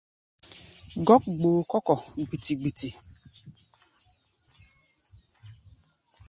Gɔ́k gboo kɔ́ kɔ̧ gbiti-gbiti.